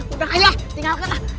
udah ayah tinggalkan ah